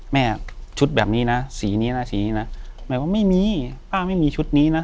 แม่ชุดแบบนี้นะสีนี้นะสีนี้นะหมายว่าไม่มีป้าไม่มีชุดนี้นะ